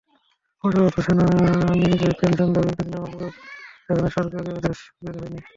অবসরপ্রাপ্ত সেনানীদের পেনশন দাবি মেনে নেওয়ার পরেও এখনো সরকারি আদেশ বের হয়নি।